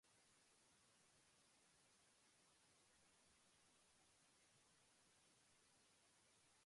The weather is perfect today, with clear blue skies and a gentle breeze.